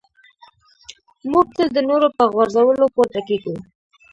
موږ تل د نورو په غورځولو پورته کېږو.